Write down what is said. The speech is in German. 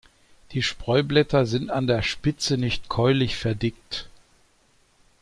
Die Spreublätter sind an der Spitze nicht keulig verdickt.